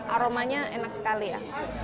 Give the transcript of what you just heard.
aromanya enak sekali ya